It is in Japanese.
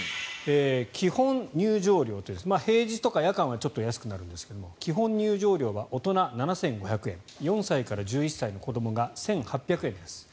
基本入場料、平日とか夜間はちょっと安くなるんですが基本入場料が大人７５００円４歳から１１歳の子どもが１８００円です。